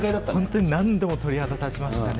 本当に何度も鳥肌立ちましたね。